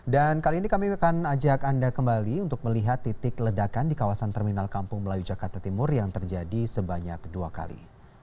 dan kali ini kami akan ajak anda kembali untuk melihat titik ledakan di kawasan terminal kampung melayu jakarta timur yang terjadi sebanyak dua kali